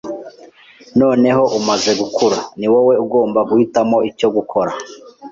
Noneho umaze gukura, ni wowe ugomba guhitamo icyo gukora.